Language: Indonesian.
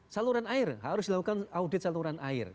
saluran air harus dilakukan audit saluran air